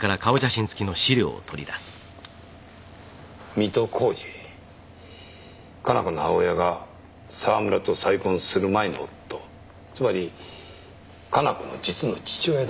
水戸浩司加奈子の母親が沢村と再婚する前の夫つまり加奈子の実の父親だよあっ